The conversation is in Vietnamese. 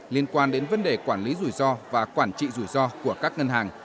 liên quan đến vấn đề quản lý rủi ro và quản trị rủi ro của các ngân hàng